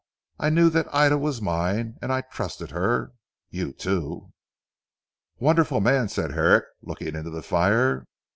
I knew that Ida was mine, and I trusted her you too." "Wonderful man!" said Herrick looking into the fire.